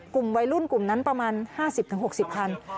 กลุ่มวัยรุ่นกลุ่มนั้นประมาณห้าสิบถึงหกสิบพัน